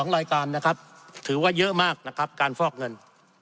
๒รายการนะครับถือว่าเยอะมากนะครับการฟอกเงิน